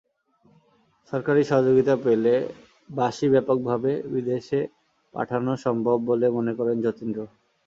সরকারি সহযোগিতা পেলে বাঁশি ব্যাপকভাবে বিদেশে পাঠানো সম্ভব বলে মনে করেন যতীন্দ্র।